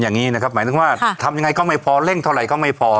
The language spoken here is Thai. อย่างนี้นะครับหมายถึงว่าทำยังไงก็ไม่พอเร่งเท่าไหร่ก็ไม่พอ